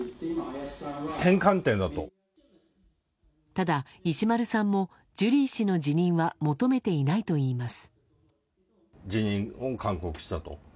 ただ、石丸さんもジュリー氏の辞任は求めていないといいます。